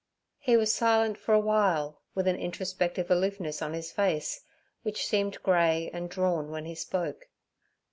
He was silent for a while, with an introspective aloofness on his face, which seemed grey and drawn when he spoke.